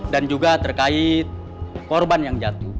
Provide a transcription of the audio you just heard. dan juga terkait korban yang jatuh